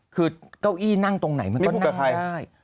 คือเก้าอี้นั่งตรงไหนมันก็นั่ง